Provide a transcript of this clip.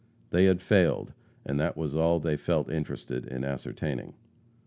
They had failed, and that was all they felt interested in ascertaining.